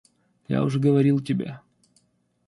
Я уже говорил тебе.